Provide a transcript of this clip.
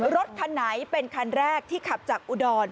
รถคันไหนเป็นคันแรกที่ขับจากอุดร